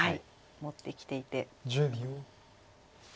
持ってきていて。